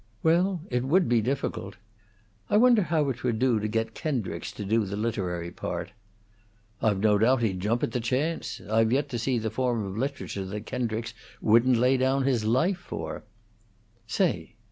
"Well, it would be difficult. I wonder how it would do to get Kendricks to do the literary part?" "I've no doubt he'd jump at the chance. I've yet to see the form of literature that Kendricks wouldn't lay down his life for." "Say!"